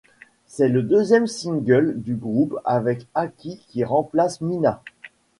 C'est le deuxième single du groupe avec Aki qui remplace Mina.